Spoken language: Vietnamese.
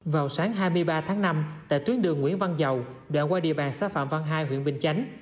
vào sáng hai mươi ba tháng năm tại tuyến đường nguyễn văn giàu đoạn qua địa bàn xã phạm văn hai huyện bình chánh